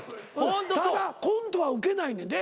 ただコントはウケないねんで。